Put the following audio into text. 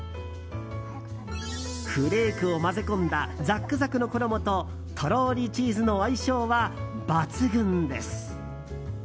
フレークを混ぜ込んだザックザクの衣ととろーりチーズの相性は抜群です。